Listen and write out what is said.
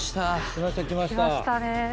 来ましたね。